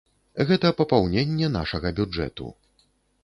Гэта папаўненне нашага бюджэту.